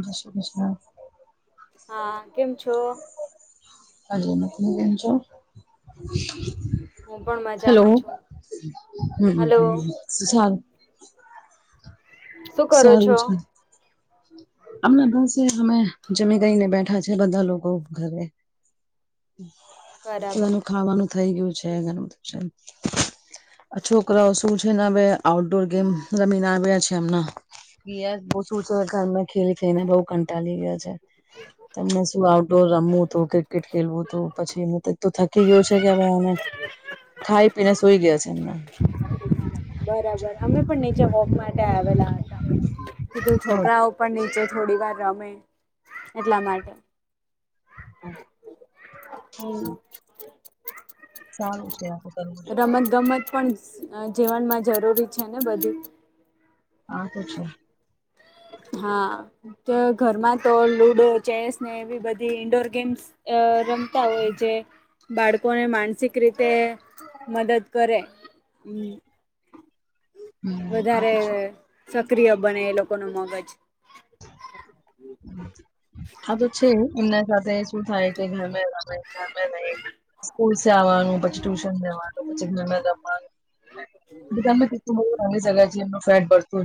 જય શ્રી કૃષ્ણ. હા કેમ છો? હાજી તમે કેમ છો? હું પણ હલો મજામાં છું હલો હમ્મ સારું. શું કરો છો? અમણા પાસે અમે જમી ગઈને બેઠા છે બધા લોકો ઘરે. બરાબર બધાનું ખાવાનું થઇ ગયું છે ઘણું બધું છે. આ છોકરાઓ શું છે ને હવે આઉટડોર ગેમ રમીને આવ્યા છે એમના. યેસ શુ છે ઘરમે ખેલી ખેલીને બઉ કંટાળી ગયા છે. તમને શું આઉટડોર રમવું તો કે ક્રિકેટ ખેલવું તો પછી મુ તો તુ કે થકી ગયો છે કે મને ખાઈ પીને સુઈ ગયા છે એમનેમ. બરાબર અમે પણ નીચે વોક માટે આવેલા હતા કીધું છોકરાઓ પણ નીચે થોડી વાર રમે એટલા માટે. હમ [unintelligible] સારું છે આપ રમત ગમત પણ જીવનમાં જરૂરી છે ને બધું આ તો છે. હા તો ઘરમાં તો લુડો ચેસ ને એવી બધી ઈન્ડોર ગેમ્સ અ રમતા હોય છે બાળકોને માનસિક રીતે મદદ કરે હમ્મ હમ આ વધારે તો છે સક્રિય બને એ લોકોનો મગજ આ તો છે એમના સાથે શું થાય કે ગરમે રમે રમે નઈ સ્કૂલ સે આવવાનું પછી ટ્યુશન જવાનું પછી ગમે રમવાનું દુકાનમાં કેટલું બધું રમી [unintelligible]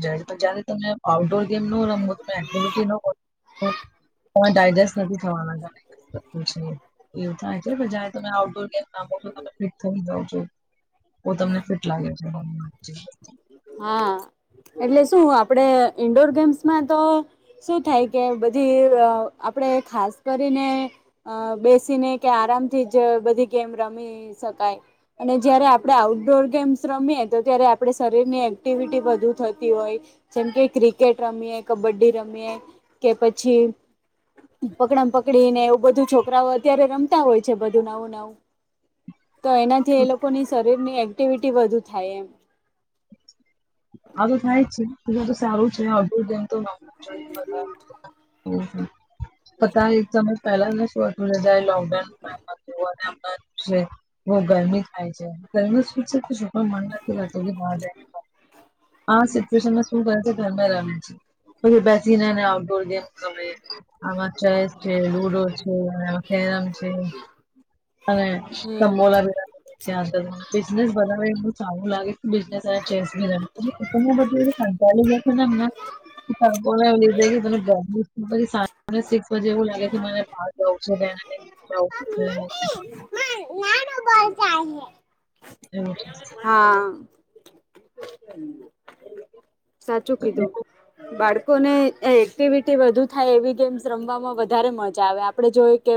જાય તો જયારે તમે આઉટડોર ગેમ નો રમો તમે એક્ટિવિટી ન હો પણ ડાયજેસ્ટ નથી થવાના તમે ન એવું થાય છે જ તમે આઉટડોર ગેમો તમે ફિટ થઈ જાવ છો તમને ફિટ લાગે છે. હા એટલે શું આપડે ઈન્ડોર ગેમ્સમાં તો શું થાય કે બધી આપડે ખાસ કરીને અ બેસીને કે આરામથી જ બધી ગેમ રમી શકાય અને જયારે આપડે આઉટડોર ગેમ્સ રમીએ તો ત્યારે આપડે શરીરની એક્ટિવિટી વધું થતી હોય જેમ કે ક્રિકેટ રમીએ, કબડ્ડી રમીએ કે પછી પકડ પકડીને એવું બધું છોકરાઓ અત્યારે રમતા હોય છે બધું નવું નાવું તો એનાથી એ લોકોની શરીરની એક્ટિવિટી વધુ થાય એમ આ તો થાય જ છે પછી આ તો સારું છે આવધું જ [unintelligible] પતા [unintelligible] પહેલા નતું એટલું જયારે લોકડાઉન [unintelligible] બઉ ગરમી થાય છે ગરમી શું છે તો છોકરાઓને મન નથી લાગતું રમવા માટે હા સિચુએશનમા શું કરે છે તો ઘરમાં રમે છે પહી બેસીને ને આઉટડોર ગેમ ગમે આમાં ચેસ છે લુડો છે કેરમ છે અને હમ સંબોલ ચ્યાને બિઝનેસ બધાને સારું લાગે બિઝનેસ અને ચેસ બી [unintelligible] બધું સંતાડી જસે નામ ના લીધે [unintelligible] સિક્સ બજે એવું લાગે મને જાઉં છે તેના માટે જાઉં પડશે. [inaudible] હા સાચું કીધું બાળ લોકોને એક્ટિવિટી વધુ થાય એવી ગેમ્સ રમવામાં વધારે મજા આવે આપડણે જોઈ કે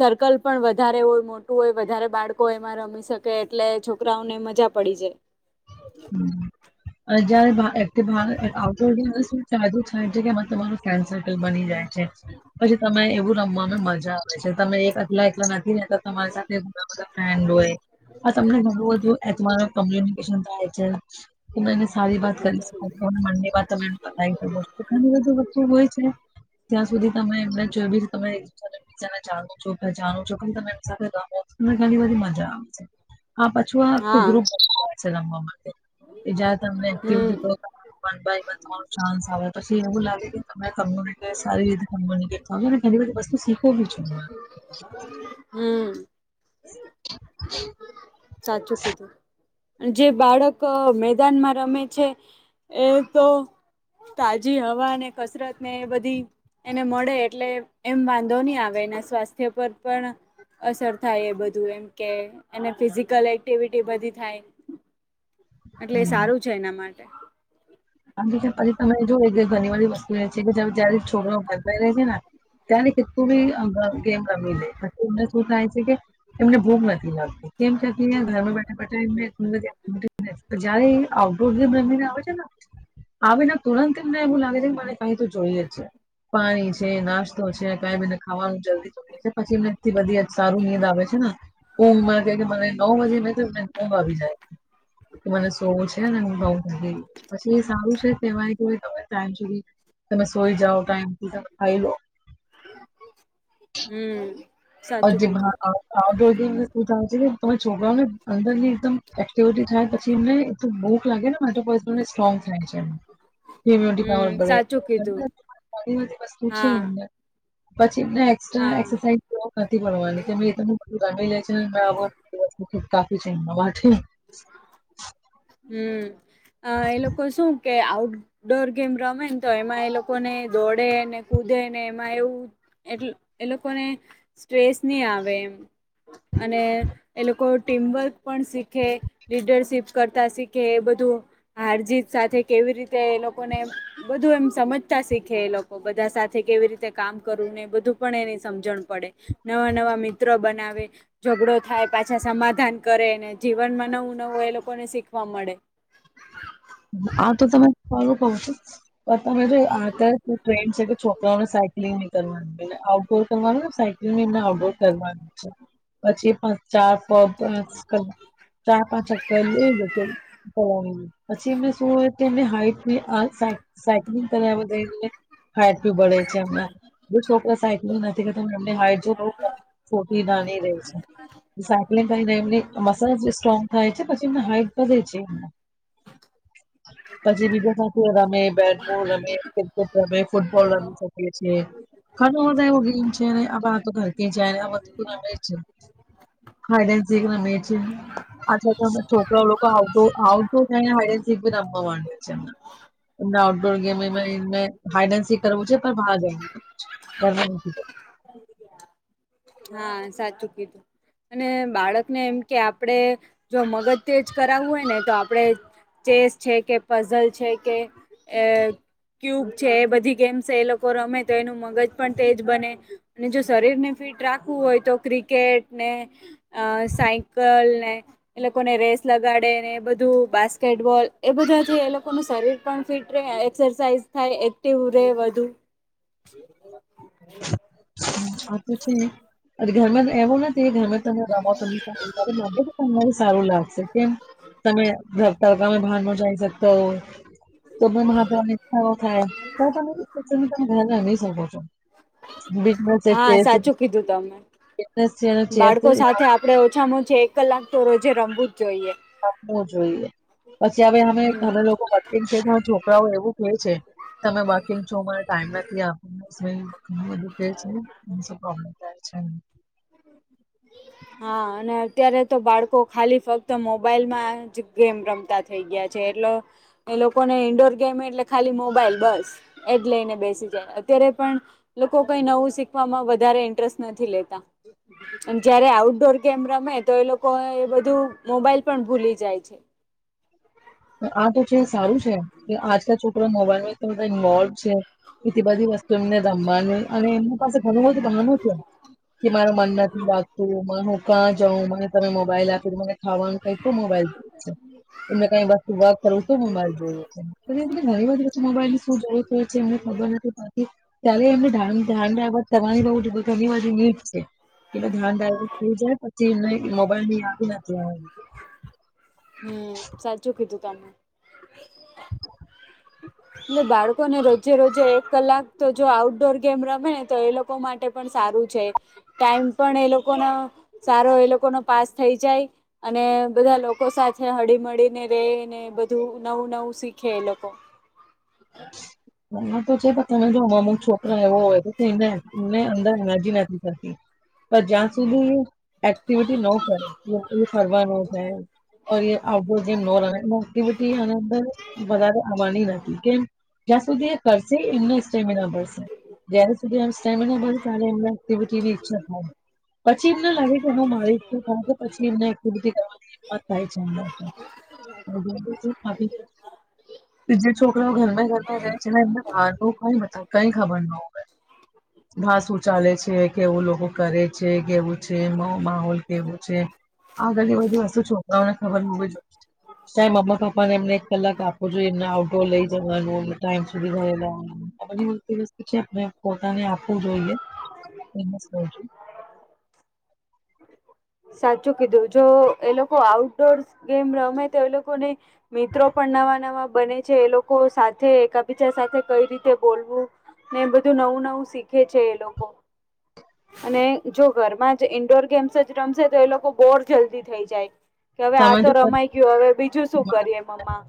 સર્કલ પણ વધારે હો મોટું હોય વધારે બાળકો એમાં રમી શકે એટલે છોકરાઓને મજા પડી જાય હમ અને જયારેટ શ ચાલું જગ્યામાં તમારું ફ્રેન્ડ સર્કલ બની જાય પછી તમે એવું રમવામાં મજા આવે છે તમે એકલા એકલા તમારા સાથે મુલા ફ્રેન્ડ હો એ હા તમને ઘણું બધું એથર કોમ્યુનિકેશન થાય છે ત એને સારી વાત કરી શક મનની વા તને પતાવીસ્તુ ઘ બધું બતું હોય છે ત્યાં સુધી તમે એમને જોી ને જાણું છું પ જાણું છું પણ તમે એમની સાથે ગો અને ઘણી બધી મજા આવે છે આ પછું આ હા ખુગ્રુપ બ છે રમવા માટે એજાત અમેને તો [inaudible] બન થવા ચાન્સ આવે પછી એવું લાગે કે તમને સારી રીતે ચો ને ઘણી બધી વસ્તુ સીખો બી છો ને હમ [unintelligible] સાચું કીધું જે બાળક મેદાનમાં રમે છે એ તો તાજી હવા ને કસરત ને બધી એને મળે એટલે એમ વાંધો નહીં આવે એના સ્વાસ્થ્ય પર પણ અસર થાય એ બધું એમ કે એને ફિઝિકલ એક્ટિવિટી બધી થાય એટલે એ હમ્મ. સારું છે એના માટે હા પછી તમે જો ઘણી વાળી વસ્તુ એ છે કે જ્યારે છોકરો ઘરતાઈ રે છે ને તને કેટલું બી ગેમ રમી લે એને શું થાય છે કે એમને ભૂખ નથી લાગતી કેમ કેતી ઘરમાં બેઠા બેઠા બધ જયારે આઉટડોર જે રમીને આવે છે ને આવેને તુરંત એમને એવું લાગે છે મને કઈ તો જોઈએ જ છે પાણી છે નાસ્તો છે ક એને ખાવાનું જલ્દી જોઈ છે પછી એમને થી બધી સારું નીદ આવે છે ને કુંભમાં કે કે મને નવ વાજે મે તોને ઉઘ આવી જાય મને સોવું છે ને એ બઉ જે સારું છે તેવાય કેય તમે ટાઈમ સુધી તમે સોઈ જાઓ ટાઈમથી તમે ખાઈ લો હમ [unintelligible] સાચું કીધું તમે છોકરાઓને અંદર ની એકદમ એક્ટિવિટી થાય પછી એને એ ભૂખ લાગે ને માટે પ સ્ટ્રોંગ થાય છે એ ઇમ્યુનિટી પર હમ પડે સાચું કીધું બધી વસ્તુ છે હા અંદર પછી એમને એક્સ્ટ્રા હા એક્સરસાઇઝ નથી ભણવાની કેે [unintelligible] છેને કાફી છે હમ એ લોકો શું કે આઉટ ડોર ગેમ રમે ને તો એમાં એ લોકોને દોડે ને કૂદે ને એમાં એવું એટલ એ લોકોને સ્ટ્રેસ નહી આવે એમ અને એ લોકો ટીમવર્ક પણ શીખે લીડરશીપ કરતા કે એ બધું હારજીત સાથે કેવી રીતે એ લોકોને બધું એમ સમજતા શીખે એ લોકો બધા સાથે કેવી રીતે કામ કરવું ને બધું પણ એની સમજણ પડે નવા નવા મિત્રો બનાવે ઝઘડો થાય પાછા સમાધાન કરે ને જીવનમાં નવું નવું એ લોકોને શીખવા મળે આ તો તમે સારું કઉ છો તમે જો આ ટ્રેન્ડ છે કે છોકરાઓને સાયકલિંગ ની કરવાનું ને આઉટડોર કરવાનું ને સાયક લીન ને આઉટડોર કરવાનું છે પછી પણ ચાર ફ [unintelligible] ચાર પાંચ ચક્કર લે જશે પછી એમને શું હોય કે એમને હાઈટ સાયકલિંગ કરાવઈ એટલે હાઈટ બી બડે છે હમણાં જે છોકરા સાઈકલ નથી કરતો એમ હાઈટ જો બ થોડી નાની રહી છે. સાયક્લિંગ કરીને એમની મસલ સ્ટ્રોંગ થાય છે પછી એમને હાઈટ વધે છે એમને [inaudible] પછી બીજા સાથે રમે બેટબોલ રમે ક્રિકેટ રમે ફૂટબોલ રમી શકીએ છીએ ઘરમા બધા એવું કેય છે ને આ તો ઘર કે જાય ને આ બધું ન છે હાઇડ એન્ડ સીખ રમે છે આથા તો છોકરાઓ લોકો આઉટડોર આઉટ હી નાવાનું છેમાં ના આઉટડોર ગેમ અમેને હાઇડેન્સી કરવુ છે પર ભાગે. [unintelligible] હા સાચુ કીઘુ. અને બાળકને એમ કે આપણેે જો મગજ તેજ કરાવું હોય ને તો આપણેે ચેસ છે કે પઝલ છે કે એ ક્યુબ છે એ બધી ગેમ્સ એ લોકો રમે તો એનું મગજ પણ તેજ બને. અને જો શરીર ને ફિટ રાખવું હોય તો ક્રિકેટ ને. અ સાયકલ ને. એ લોકોને રેસ લગાડે ને એ બધું બાસ્કેટબોલ એ બધાથી એ લોકોનું શરીર પણ ફીટ રે એક્સરસાઇઝ થાય એક્ટિવ રે વધું. [inaudible] હ આ તો છે અરે ઘરમાં. એવું નથી ગમે તમે રમો તમને કે તમારે સારું લાગશે કેમ તમે. ઘ તડકા મે ભાન ન જાય શકતા હો તો બ મહત્ ચ્ઠાઓ [inaudible] થાય તો તમે ર શકો છો બ હા સાચું કીધું તમે બિઝનેસ છે અને ચેસ બાળકો સાથે. આપણે ઓછામાં ઓછી એક કલાક તો રોજે રમવું જ જોઈએ. આપવું જોઈએ પછી હવે અમે હમ અમે લોકો પ્ય છે છોકરાઓ એવું. એ છે તમે વર્કિંગ છો મ ટાઈમ નથી. ઘું બધું કે [inaudible] છેોબ્લેમ થાય છે હ [unintelligible] હા અને અત્યારે તો બાળકો ખાલી ફક્ત મોબાઈલ માં જ ગેમ રમતા‌. થઈ ગયા છે એટલો એ લોકોને ઇન્ડોર ગેમ એટલે ખાલી મોબાઈલ બસ. એ જ લઈને બેસી જાય અત્યારે પણ લોકો કઈ નવું શીખવામાં વધારે ઇન્ટરેસ્ટ નથી લેતા. અને જયારે આઉટડોર કેમ રમે તો એ લોકો એ બધું મોબાઈલ પણ ભૂલી જાય છે. આ તો છે સારું છે કે આજકા છોકરા મોબાઈલમાં બધા ઇન્વોલ્વ છે. કિ બ બાધી વસ્ [inaudible] એમને રમવાનું અને એમની પાસે ઘણું બધું બહાનું હોજ કે મારુ મન નથી લાગતું. ત હું કાં જાઉં મને તમે મોબાઈલ આપી મને ખાવાનું કઈ તો મોબાઈલ છે. એમને કઈ વાસ્તુ વાત કરું તો મોબાઈલ જોઇએ છે મને ઘણી વાર પછી મોબાઈલ ની શું જરૂરત હોય છે એમને ખબર નથી. ત્યારે એમને ઢાન ધ્યાન રાખવા તમારી ની બ‌ઉજ ઘણી બધી ની છે. એનું ધ્યાન ડાયરેક્ટ થઈ જાય પછી એને મોબાઈલ ની યાદી નથી આવે. હુ સાચું કીધું તમે. એલે બાળકોને રોજે રોજે એક કલાક તો જો આઉટડોર ગેમ રમે ને તો એ લોકો માટે પણ સારું છે ટાઈમ પણ એ લોકોનો સારો એ લોકો ન પાસ થઈ જાય. અને બધા લોકો સાથે હળી મળીને રે ને બધું નવું નવું શીખે એ લોકો અચા. [inaudible] રમે તો છે પણ તમે જો અમુક છોકરો એવો હોય તો થઈ ને એમને અંદર એનાર્જી નથી. પણ જ્યાં સુુંધી. એક્ટિવિટી નો કરે એ ફરવા નો જાય. ઔર યે આઉટડોર ગેમ નો રમે એ એક્ટિવિ આની અંદર વધારે આવવાની નથી કેમ. જ્યાં સુધી એ કરશે એમના સ્ટેમિના મળશે. જ્યાં સુધી એમને સ્ટેમીના વધશે અને એમને એક્ટિવીટી ની ઈચ્છા થાય. પછી એમને લાગે કે હા મારી તો પછી એમને એકિવિટી કરવાની એ પણ થાય છે એમને [unintelligible] તે જે છોકરાઓ ઘર મે. ઘરમાં રહે છે એમને બારનું કઈ ખબર ન હોય. બાર શું ચાલે છે કેવું લોકો કરે છે કેવું. છે માહોલ કેવો છે આગલી બધી વસ્તુ છોકરાઓને ખબર બઉ જ ઓછી સેમ મમ્મા પપ્પા એમને એક કલાક આપો જોઇએ એમને આઉટડોર લઈ જવાનું. ટાઈમ સુધી ઘરે લેવાના આ બધી વસ્તુ વસ્તુ છે આપણે પોતાને આપવું જોઈએ. એમજ કઉ છું. સાચું કીધું જો એ લોકો આઉટડોર ગેમ રમેય તો એ લોકોને મિત્રો પણ નવા નવા બને છે એ લોકો સાથે એકબીજા સાથે કઈ રીતે બોલવું ને એ બધું નવું નવું શીખે છે એ લોકો અને જો ઘરમાં જ ઇન્ડોર ગેમ્સ જ રમશે તો એ લોકો બોર જલ્દી થઈ જાય કે હવે આ તમે તો જો રમાઈ ગયો હવે બીજું શું કરીએ એમ મમ્મા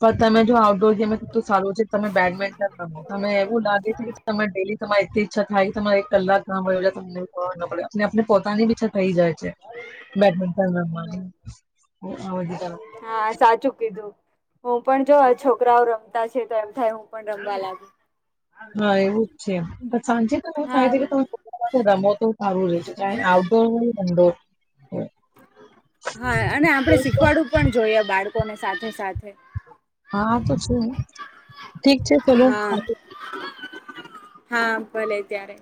પણ તમે જો આઉટડોર ગેમે એટલું સારું છે તમે બેડમિન્ટન રમો તમે એવું લાગે છે તમે ડેલી તમારે એ ઈચ્છા થાય કે તમારે એક કલાક ગામ વ્યો જાય તમને ખબર જ ના પડે આપણે પોતાની બી ઇચ્છા થઈ જાય છે બેડમિન્ટન રમવાની એવું બધું કરવાની હા સાચું કીધું. હું પણ જોઆ છોકરાઓ રમતા છે તો એમ થાય હું પણ રમવા લાગુ હા એવું જ છે પણ સાંજે તો એવું થાય હા છે કે તમે રમો તો સારું રહેે છે આઉટડોર હોય ઇન્ડોર હોય. હા અને આપડણે શીખવાડવું પણ જોઈએ બાળકોને સાથે સાથે હા તો છું ઠીક છે ચલો. હા હા ભલે ત્યારે